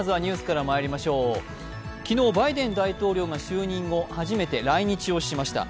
昨日、バイデン大統領が就任後初めて来日をしました。